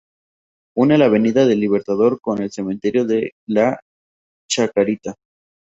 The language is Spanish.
Une la Avenida del Libertador con el Cementerio de la Chacarita.